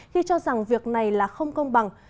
khi cho rằng việc này là không công bằng